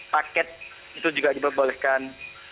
paket itu juga diperbolehkan